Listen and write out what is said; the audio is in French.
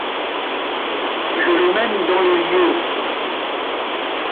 Je le mène dans les lieux.